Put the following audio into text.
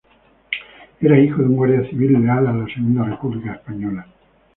Era hijo de un guardia civil leal a la Segunda República Española.